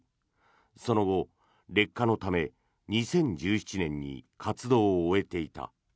その後、劣化のため２０１７年に活動を終えていた。